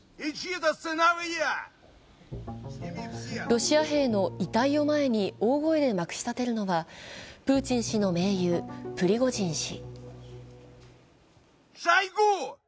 ロシア兵の遺体を前に大声でまくし立てるのはプーチン氏の盟友・プリゴジン氏。